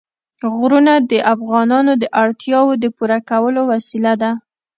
غرونه د افغانانو د اړتیاوو د پوره کولو وسیله ده.